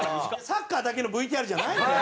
サッカーだけのＶＴＲじゃないのね。